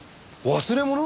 忘れ物？